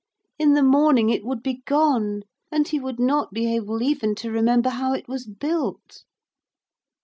In the morning it would be gone, and he would not be able even to remember how it was built.